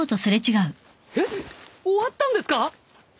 えっ終わったんですか！？